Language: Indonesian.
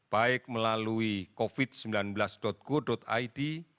baik melalui covid sembilan belas go id